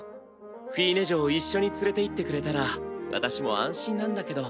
フィーネ嬢を一緒に連れていってくれたら私も安心なんだけど。